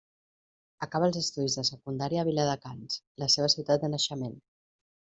Acaba els estudis de secundària a Viladecans, la seva ciutat de naixement.